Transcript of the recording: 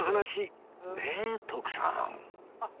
ねえ徳さん